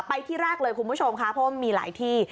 ไปที่แรกเลยคุณผู้ชมครับผมมีหลายที่